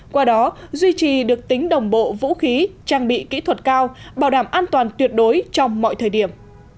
qua đó duy trì được tính đồng bộ vũ khí trang bị kỹ thuật cao bảo đảm an toàn tuyệt đối trong mọi thời điểm